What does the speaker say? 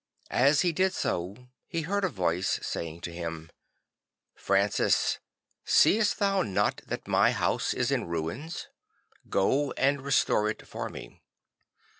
As he did so he heard a voice saying to him, II Francis, seest thou not that my house is in ruins? Go and restore it for me."